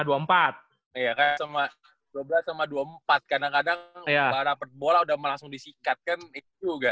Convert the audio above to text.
iya kan sama dua belas sama dua puluh empat kadang kadang dapat bola udah langsung disikat kan itu juga